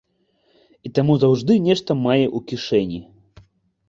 І таму заўжды нешта мае ў кішэні.